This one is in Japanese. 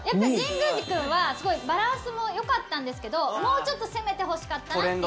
神宮寺君はすごいバランスも良かったんですけどもうちょっと攻めてほしかったな。